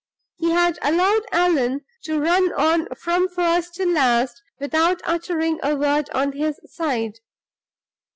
He had allowed Allan to run on from first to last without uttering a word on his side.